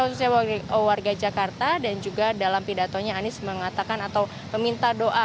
khususnya warga jakarta dan juga dalam pidatonya anies mengatakan atau meminta doa